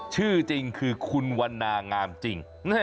ชื่อจริงคือคุณวันนางามจริง